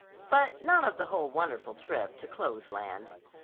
But not of the wonderful trip to Clothes Land.